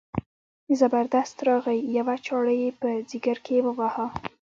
زبردست راغی یوه چاړه یې په ځګر کې وواهه.